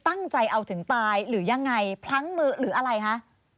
ตั้งใจเอาถึงตายหรือยังไงพลั้งมือหรืออะไรคะ